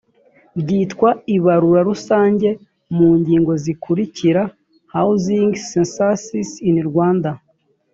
ryitwa ibarura rusange mu ngingo zikurikira housing census in rwanda